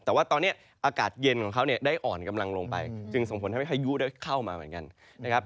แต่ว่าตอนนี้อากาศเย็นของเขาเนี่ยได้อ่อนกำลังลงไปจึงส่งผลทำให้พายุได้เข้ามาเหมือนกันนะครับ